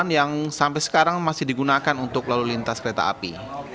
yang sampai sekarang masih digunakan untuk lalu lintas kereta api